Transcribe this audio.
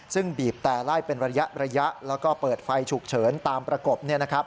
ซึ่งบีบแต่ไล่เป็นระยะแล้วก็เปิดไฟฉุกเฉินตามประกบ